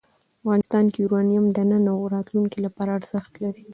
افغانستان کې یورانیم د نن او راتلونکي لپاره ارزښت لري.